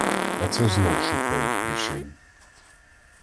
А це знов шукають причин.